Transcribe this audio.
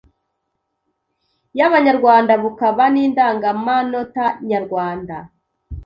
y’Abanyarwanda bukaba n’Indangamanota nyarwanda